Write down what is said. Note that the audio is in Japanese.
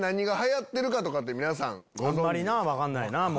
あんまり分かんないな。